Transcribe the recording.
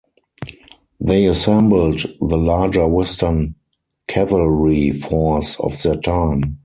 They assembled the larger western cavalry force of their time.